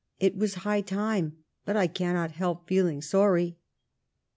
It was high time; bat I cannot help feeling sorry."